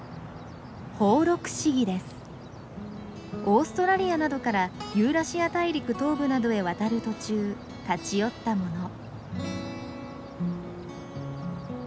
オーストラリアなどからユーラシア大陸東部などへ渡る途中立ち寄ったもの。